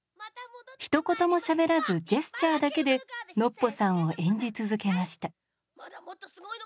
ひと言もしゃべらずジェスチャーだけでノッポさんを演じ続けました。